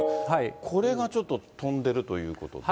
これがちょっと飛んでるということで。